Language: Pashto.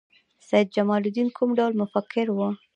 سید جمال الدین کوم ډول مفکر و؟